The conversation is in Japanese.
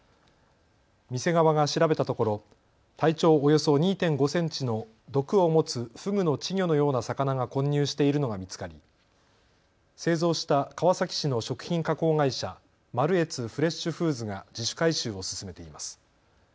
店側が調べたところ体長およそ２．５センチの毒を持つフグの稚魚のような魚が混入しているのが見つかり製造した川崎市の食品加工会社、マルエツフレッシュフーズが自主回収を進めています。